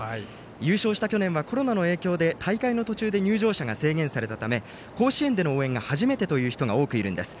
優勝した去年はコロナの影響で大会の途中で入場者が制限されたため甲子園での応援が初めてという人が多くいるんです。